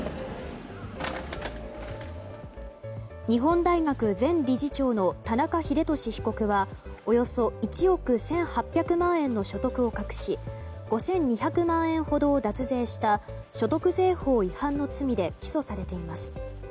日本大学前理事長の田中英寿被告はおよそ１億１８００万円の所得を隠し５２００万円ほどを脱税した所得税法違反の罪で起訴されています。